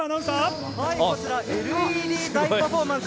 こちら、ＬＥＤ大パフォーマンス